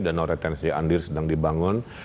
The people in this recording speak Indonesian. danoratensi andir sedang dibangun